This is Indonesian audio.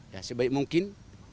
ya sebaik mungkin